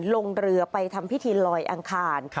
ลงเรือไปทำพิธีลอยอังคาร